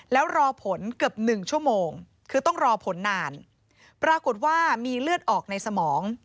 แล้วรอผลเกือบ๑ชั่วโมงคือต้องรอผลนานปรากฏว่ามีเลือดออกในสมอง